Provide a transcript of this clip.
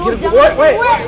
rizky lu jangan